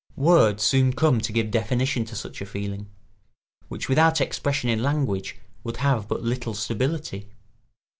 Words soon come to give definition to such a feeling, which without expression in language would have but little stability.